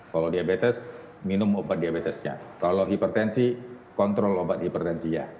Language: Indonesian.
kalau diabetes minum obat diabetesnya kalau hipertensi kontrol obat hipertensinya